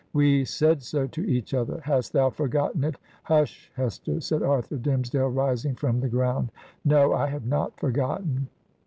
We said so to each other! Hast thou forgotten it?' 'Hush, Hester!' said Arthur Dimmesdale, rising from the ground. 'No; I have not forgotten!'